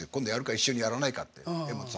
一緒にやらないか。